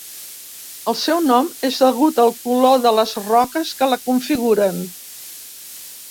El seu nom és degut al color de les roques que la configuren.